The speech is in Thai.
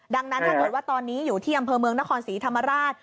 ดังนั้นถ้าเกิดว่าตอนนี้อยู่ที่อำเภอเมืองนครศรีธรรมราช